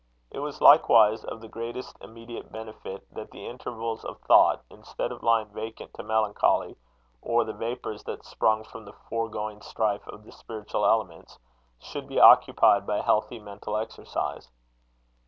It was likewise of the greatest immediate benefit that the intervals of thought, instead of lying vacant to melancholy, or the vapours that sprung from the foregoing strife of the spiritual elements, should be occupied by healthy mental exercise.